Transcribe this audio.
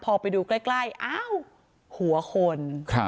พอไปดูใกล้อ้าวหัวคน